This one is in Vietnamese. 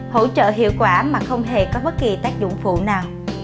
hỗ trợ hiệu quả mà không hề có bất kỳ tác dụng phụ nào